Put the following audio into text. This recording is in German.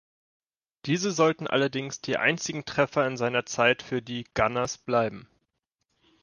Diese sollten allerdings die einzigen Treffer in seiner Zeit für die „Gunners“ bleiben.